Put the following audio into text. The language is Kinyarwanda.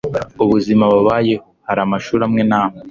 ubuzima babayeho. Hari amashuri amwe n'amwe